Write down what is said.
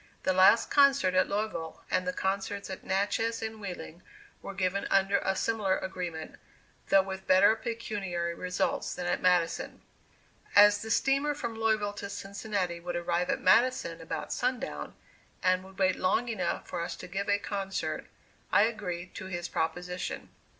The last concert at Louisville, and the concerts at Natchez and Wheeling were given under a similar agreement, though with better pecuniary results than at Madison. As the steamer from Louisville to Cincinnati would arrive at Madison about sundown, and would wait long enough for us to give a concert, I agreed to his proposition.